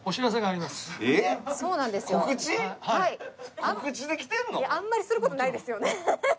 あんまりする事ないですよね。